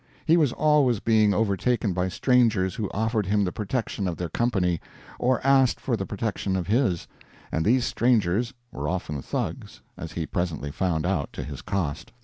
He was always being overtaken by strangers who offered him the protection of their company, or asked for the protection of his and these strangers were often Thugs, as he presently found out to his cost.